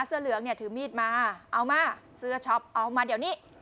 เสื้อเหลืองเนี่ยถือมีดมาเอามาเสื้อช็อปเอามาเดี๋ยวนี้